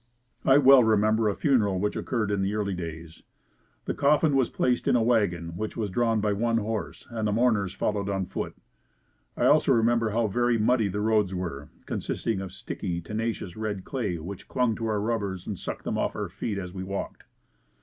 I well remember a funeral which occurred in the early days. The coffin was placed in a wagon which was drawn by one horse and the mourners followed on foot. I also remember how very muddy the roads were, consisting of sticky, tenacious red clay which clung to our rubbers and sucked them off our feet as we walked.